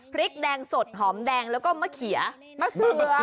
พริกแดงสดหอมแดงแล้วก็มะเขียร์